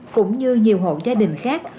cũng như nhiều hộ gia đình khác